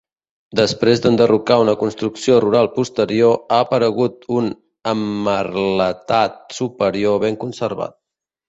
Després d'enderrocar una construcció rural posterior, ha aparegut un emmerletat superior ben conservat.